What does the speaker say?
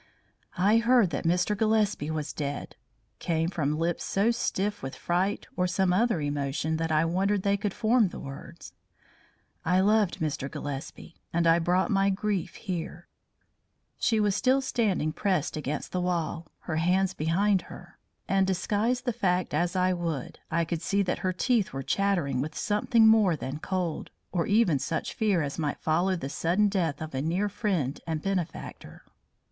"I heard that Mr. Gillespie was dead," came from lips so stiff with fright or some other deep emotion that I wondered they could form the words. "I loved Mr. Gillespie, and I brought my grief here." [Illustration: "CROUCHED AGAINST THE FARTHER WALL, WITH WIDE EXTENDED EYES FIXED FULL UPON US"] She was still standing pressed against the wall, her hands behind her; and disguise the fact as I would, I could see that her teeth were chattering with something more than cold, or even such fear as might follow the sudden death of a near friend and benefactor.